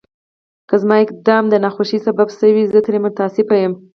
که زما اقدام د ناخوښۍ سبب شوی وي، زه ترې متأسف یم.